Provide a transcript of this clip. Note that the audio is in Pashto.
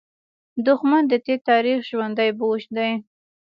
دښمن د تېر تاریخ ژوندى بوج دی